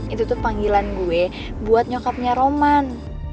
itu tuh panggilan gue buat nyokapnya roman